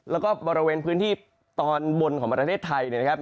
แล้วก็บริเวณพื้นที่ตอนบนของประเทศไทยเนี่ยนะครับ